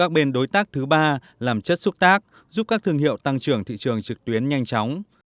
các bên đối tác thứ ba làm chất xúc tác giúp các thương hiệu tăng trưởng thị trường trực tuyến nhanh chóng